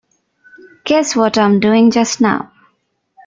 Guess what I'm doing just now.